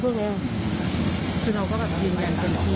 คือเราก็แบบยืนยันเต็มที่